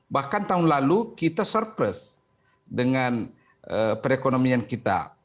bahkan tahun lalu kita surprise dengan perekonomian kita